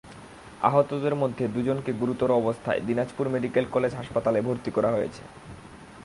আহতদের মধ্যে দুজনকে গুরুতর অবস্থায় দিনাজপুর মেডিকেল কলেজ হাসপাতালে ভর্তি করা হয়েছে।